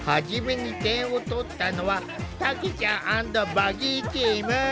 初めに点を取ったのはたけちゃん＆ヴァギーチーム。